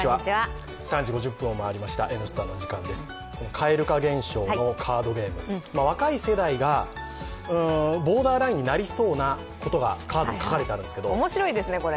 蛙化現象のカードゲーム、若い世代がボーダーラインになりそうなことがカードに書かれてるんですけど。